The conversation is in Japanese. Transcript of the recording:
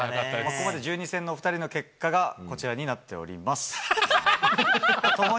ここまで１２戦のお２人の結果が、こちらになっております。